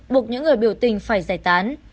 buộc những người biểu tình phải giải tán